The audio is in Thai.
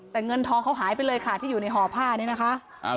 แต่เงินทองเขาหายไปเลยค่ะที่อยู่ในห่อผ้านี้นะคะ